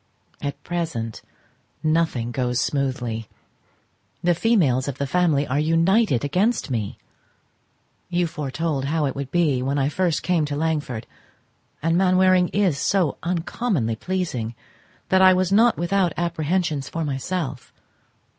At present, nothing goes smoothly; the females of the family are united against me. You foretold how it would be when I first came to Langford, and Mainwaring is so uncommonly pleasing that I was not without apprehensions for myself.